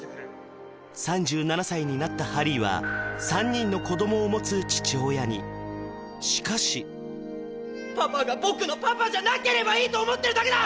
３７歳になったハリーは３人の子供を持つ父親にしかしパパが僕のパパじゃなければいいと思ってるだけだ！